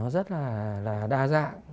rất là đa dạng